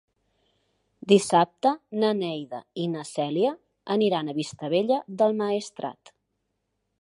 Dissabte na Neida i na Cèlia aniran a Vistabella del Maestrat.